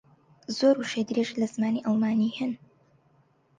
زۆر وشەی درێژ لە زمانی ئەڵمانی ھەن.